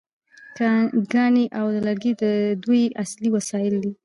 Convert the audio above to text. کاڼي او لرګي د دوی اصلي وسایل وو.